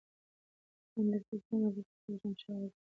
نن درسره سنګه مرسته کولای شم ښاغليه🤗